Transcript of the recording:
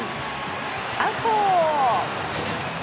アウト！